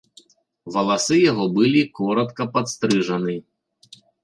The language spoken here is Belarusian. Валасы яго былі коратка падстрыжаны.